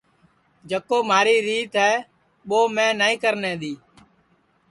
جکو مہاری ریت ہے ٻو میں نائی کرنے دؔیئے